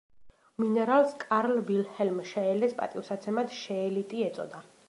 მინერალს კარლ ვილჰელმ შეელეს პატივსაცემად შეელიტი ეწოდა.